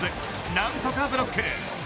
何とかブロック。